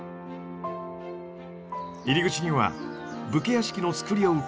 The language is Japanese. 入り口には武家屋敷の造りを受け継ぐ長屋門。